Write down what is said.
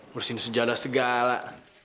bersihin sejadah segala